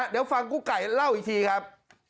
เดี๋ยวฟังกุ๊กไก่เล่าอีกทีครับ